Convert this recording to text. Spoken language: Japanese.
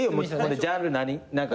ジャンル何何か